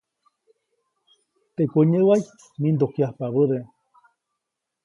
Teʼ kunyäʼway mindujkyajpabäde.